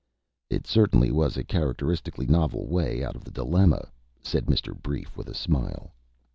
"It certainly was a characteristically novel way out of the dilemma," said Mr. Brief, with a smile.